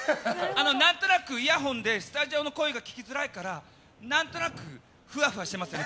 何となくイヤホンでスタジオの声が聞きづらいから何となく、ふわふわしてますよね